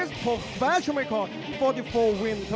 สวัสดีครับทายุรัฐมวยไทยไฟตเตอร์